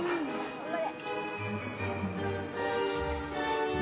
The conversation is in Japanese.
頑張れ。